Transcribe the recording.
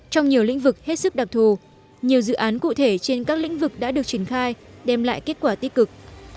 trong nhiều lĩnh vực hết sức đặc thù nhiều dự án cụ thể trên các lĩnh vực đã được triển khai đem lại kết quả tích cực